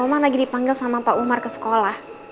mama lagi dipanggil sama pak umar ke sekolah